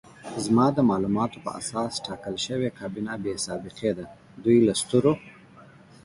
زما د معلوماتو په اساس ټاکل شوې کابینه بې سابقې ده، دوی له سترو